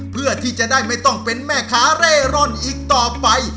เพื่อที่จะได้ไม่ต้องเป็นแม่ค้าเร่ร่อนอีกต่อไป